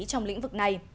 trong lĩnh vực này